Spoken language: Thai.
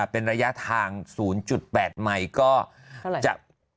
เป็นระยะทาง๐๘ไมค์ก็จะ